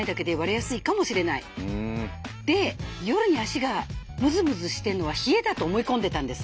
で夜に脚がムズムズしてんのは冷えだと思い込んでたんです。